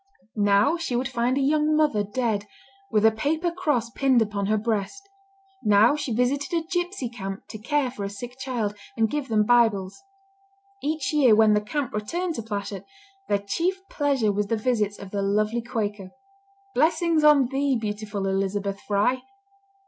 Now she would find a young mother dead, with a paper cross pinned upon her breast; now she visited a Gypsy camp to care for a sick child, and give them Bibles. Each year when the camp returned to Plashet, their chief pleasure was the visits of the lovely Quaker. Blessings on thee, beautiful Elizabeth Fry!